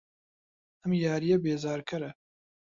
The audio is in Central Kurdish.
ئەم یارییە بێزارکەرە.